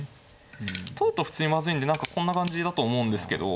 取ると普通にまずいんで何かこんな感じだと思うんですけど。